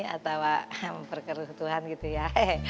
atau perkerus tuhan gitu ya